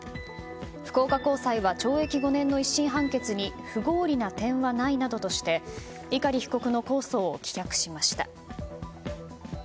福岡高裁は懲役５年の１審判決に不合理な点はないなどとして碇被告の控訴を棄却しました。